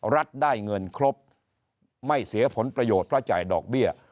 รัฐได้เงินครบไม่เสียผลประโยชน์เพราะจ่ายดอกเบี้ย